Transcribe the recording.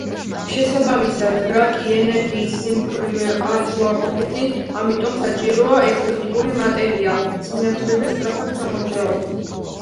შესაბამისად, რაკი ენერგიის სიმკვრივე არის უარყოფითი, ამიტომ საჭიროა ეგზოტიკური მატერია სინათლეზე სწრაფად სამოძრაოდ.